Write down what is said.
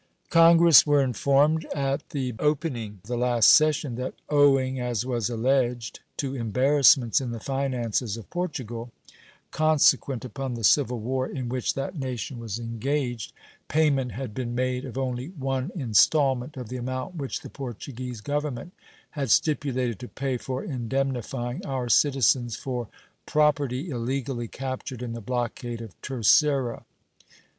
Congress were informed at the opening of the last session that "owing, as was alleged, to embarrassments in the finances of Portugal, consequent upon the civil war in which that nation was engaged", payment had been made of only one installment of the amount which the Portuguese Government had stipulated to pay for indemnifying our citizens for property illegally captured in the blockade of Terceira.